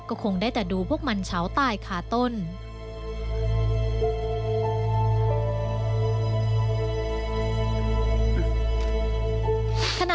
ก็คงได้แต่ดูพวกมันเฉาตายคาต้น